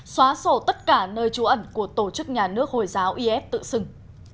xóa sổ tất cả nơi trú ẩn của tổ chức nhà nước hồi giáo is tự xưng